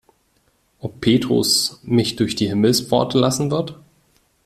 Ob Petrus mich durch die Himmelspforte lassen wird?